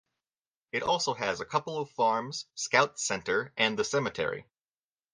It also has a couple of farms, Scouts centre and the cemetery.